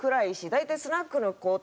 大体スナックの子たち